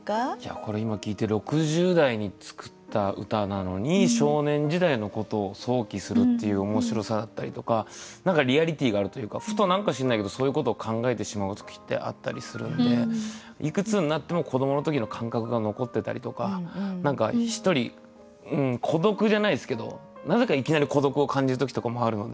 これ今聴いて６０代に作った歌なのに少年時代のことを想起するっていう面白さだったりとか何かリアリティーがあるというかふと何か知らないけどそういうことを考えてしまう時ってあったりするんでいくつになっても子どもの時の感覚が残ってたりとか何か一人孤独じゃないですけどなぜかいきなり孤独を感じる時とかもあるので。